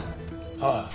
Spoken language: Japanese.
ああ。